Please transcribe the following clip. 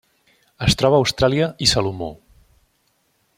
Es troba a Austràlia i Salomó.